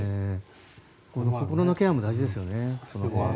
心のケアも大事ですよね。